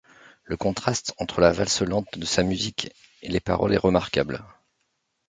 Le contraste entre la valse lente de sa musique et les paroles est remarquable.